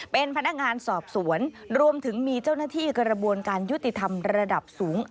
เป็นพนักงานสอบสวนรวมถึงมีเจ้าหน้าที่กระบวนการยุติธรรมระดับสูง